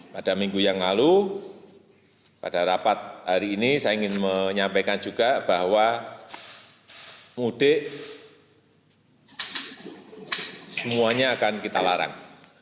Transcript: pada minggu yang lalu pada rapat hari ini saya ingin menyampaikan juga bahwa mudik semuanya akan kita larang